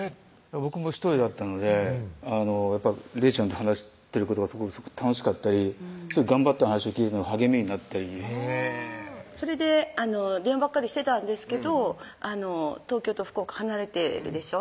僕も独りだったので利恵ちゃんと話してることがすごく楽しかったり頑張ってる話を聞いて励みになったりそれで電話ばっかりしてたんですけど東京と福岡離れてるでしょ？